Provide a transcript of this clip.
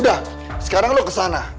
udah sekarang lo kesana